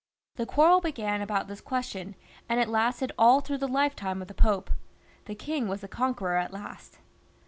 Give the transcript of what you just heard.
The quarrel began about this question, and it lasted all through the lifetime of the Pope. The king was the conqueror at last.